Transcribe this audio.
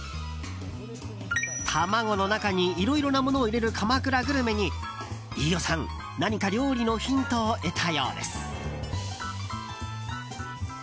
卵の中にいろいろなものを入れる鎌倉グルメに飯尾さん、何か料理のヒントを得たようです。